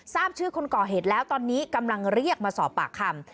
ทราบชื่อคนก่อเหตุแล้วตอนนี้กำลังเรียกมาสอบปากคำ